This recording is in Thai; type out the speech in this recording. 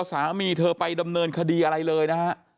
สามีเธอไปดำเนินคดีอะไรเลยนะฮะ